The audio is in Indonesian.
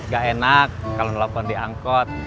gak enak kalau nelfon di angkot